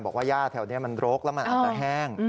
บอกว่าย่าแถวนี้มันโรคแล้วมันอาจจะแห้ง